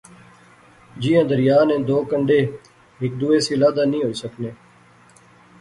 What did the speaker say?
جیاں دریا نے دو کنڈے ہیک دوے سے لادے نئیں ہوئی سکنے